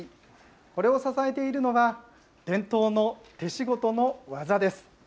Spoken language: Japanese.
これを支えているのが、伝統の手仕事の技です。